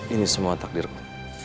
ini semua takdirku